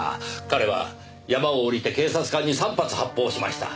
彼は山を下りて警察官に３発発砲しました。